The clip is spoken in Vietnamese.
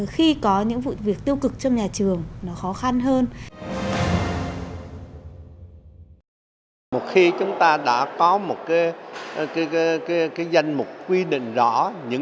khi có những việc tiêu cực cho bậc phụ huynh